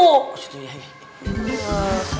oh disitu ya